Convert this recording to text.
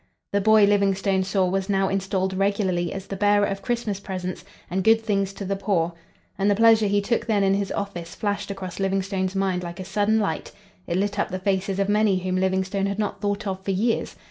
The boy Livingstone saw was now installed regularly as the bearer of Christmas presents and good things to the poor, and the pleasure he took then in his office flashed across Livingstone's mind like a sudden light. It lit up the faces of many whom Livingstone had not thought of for years.